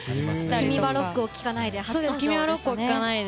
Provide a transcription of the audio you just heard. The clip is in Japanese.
「君はロックを聴かない」で。